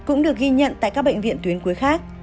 cũng được ghi nhận tại các bệnh viện tuyến cuối khác